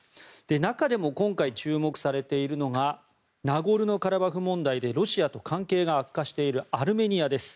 中でも今回、注目されているのがナゴルノカラバフ問題でロシアと関係が悪化しているアルメニアです。